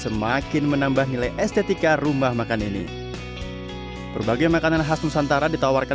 semakin menambah nilai estetika rumah makan ini berbagai makanan khas nusantara ditawarkan